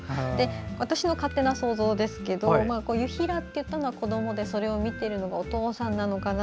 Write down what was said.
私の勝手な想像ですけど「ゆひら」と言ったのは子どもでそれを見ているのはお父さんなのかな。